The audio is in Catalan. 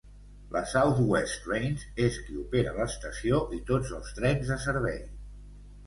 La South West Trains és qui opera l'estació i tots els trens de servei.